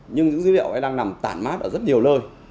nhưng những dữ liệu ấy đang nằm tản mát ở rất nhiều lời